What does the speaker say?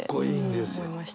思いました。